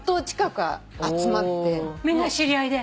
みんな知り合いで？